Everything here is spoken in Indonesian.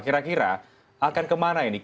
kira kira akan kemana ini